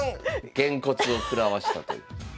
げんこつを食らわしたという。